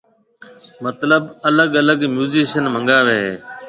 مطلب الگ الگ ميوزيشن منگاوي ھيَََ